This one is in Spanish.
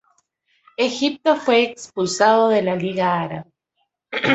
Egipto fue expulsado de la Liga Árabe.